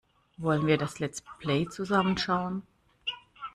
Wollen wir das Let's Play zusammen schauen?